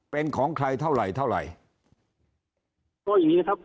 เป็นของใครเท่าไหร่เท่าไหร่ก็อย่างงี้ครับ